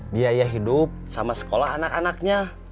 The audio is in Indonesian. biaya hidup sama sekolah anak anaknya